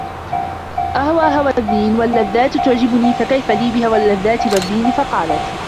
أَهْوَى هَوَى الدِّينِ وَاللَّذَّاتُ تُعْجِبُنِي فَكَيْفَ لِي بِهَوَى اللَّذَّاتِ وَالدِّينِ فَقَالَتْ